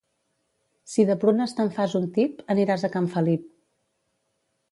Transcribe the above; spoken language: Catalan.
Si de prunes te'n fas un tip, aniràs a can Felip.